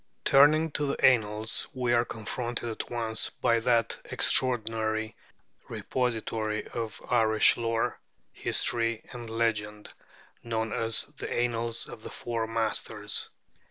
Turning to the Annals, we are confronted at once by that extraordinary repository of Irish lore, history, and legend known as 'The Annals of the Four Masters.'